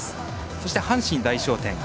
そして、阪神大賞典。